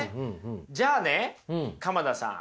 じゃあね鎌田さん